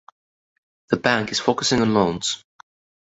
The bank is focusing on loans.